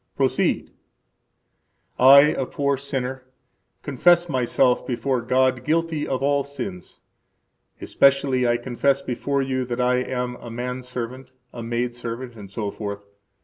Proceed I, a poor sinner, confess myself before God guilty of all sins; especially I confess before you that I am a man servant, a maidservant, etc.